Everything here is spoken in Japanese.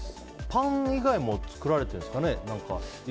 パン以外も作られてるんですかね。